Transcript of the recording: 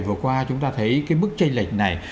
vừa qua chúng ta thấy cái mức tranh lệch này